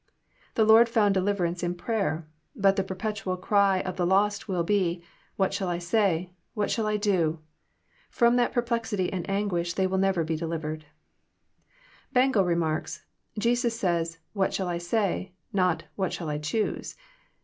The Lord found deliverance in prayer. But the perpetual cry of the lost will be, * What shall I say? What shall I do ?^ From that perplexity and anguish they will never be delivered. Bengel remarks :" Jesns says, ' What shall I say ?' not, What shall I choose